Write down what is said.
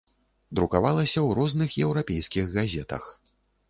Друкавалася ў розных еўрапейскіх газетах.